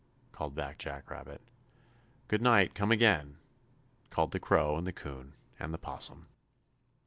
called back Jack Rabbit. "Good night! Come again!" called the Crow and the 'Coon and the 'Possum.